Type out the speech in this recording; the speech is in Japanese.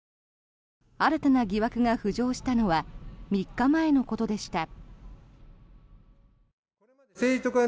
新たな疑惑が浮上したのは３日前のことでした。